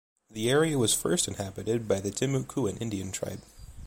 The area was first inhabited by the Timucuan Indian tribe.